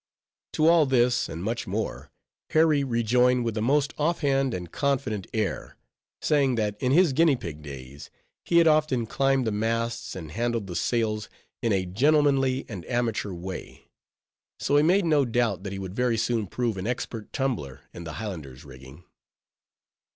To all this, and much more, Harry rejoined with the most off hand and confident air; saying that in his "guinea pig" days, he had often climbed the masts and handled the sails in a gentlemanly and amateur way; so he made no doubt that he would very soon prove an expert tumbler in the Highlander's rigging.